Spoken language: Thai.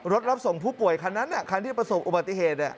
รับส่งผู้ป่วยคันนั้นคันที่ประสบอุบัติเหตุ